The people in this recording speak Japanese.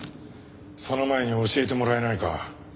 その前に教えてもらえないか？